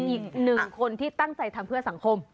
อีกหนึ่งคนที่ตั้งใจทำเพื่อสังคม